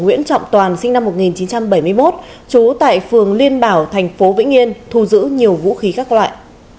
nguyễn trọng toàn sinh năm một nghìn chín trăm bảy mươi một trú tại phường liên bảo thành phố vĩnh yên thu giữ nhiều vũ khí các loại